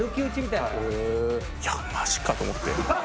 いやマジか！？と思って。